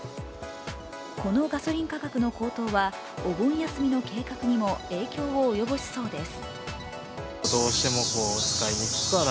このガソリン価格の高騰はお盆休みの計画にも影響を及ぼしそうです。